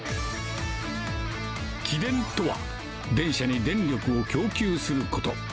き電とは、電車に電力を供給すること。